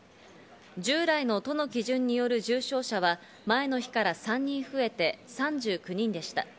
従来の都の基準による重症者は前の日から３人増えて３９人でした。